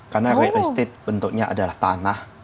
karena real estate bentuknya adalah tanah